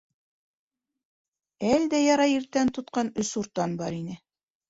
Әлдә ярай иртән тотҡан өс суртан бар ине.